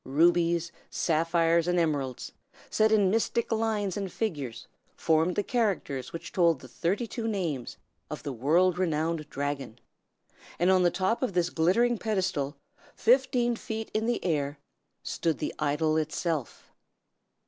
Rubies, sapphires, and emeralds, set in mystic lines and figures, formed the characters which told the thirty two names of the world renowned dragon; and on the top of this glittering pedestal, fifteen feet in the air, stood the idol itself.